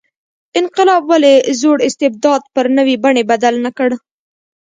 انقلاب ولې زوړ استبداد پر نوې بڼې بدل نه کړ.